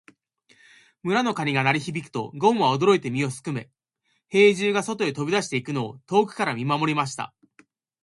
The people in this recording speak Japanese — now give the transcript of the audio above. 村の鐘が鳴り響くと、ごんは驚いて身を潜め、兵十が外へ飛び出していくのを遠くから見守りました。